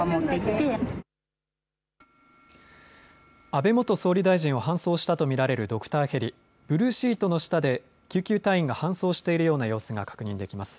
安倍元総理大臣を搬送したとみられるドクターヘリブルーシートの下で救急隊員が搬送している様子が確認できます。